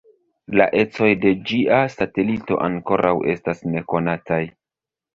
La ecoj de ĝia satelito ankoraŭ estas nekonataj.